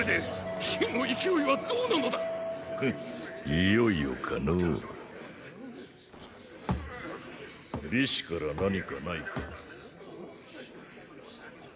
いよいよかのォ李斯から何かないか。！